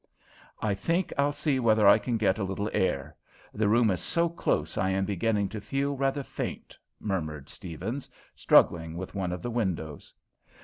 "I think I'll see whether I can get a little air. The room is so close I am beginning to feel rather faint," murmured Steavens, struggling with one of the windows.